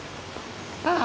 ああ？